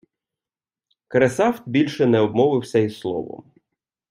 Кресафт більше не обмовився й словом.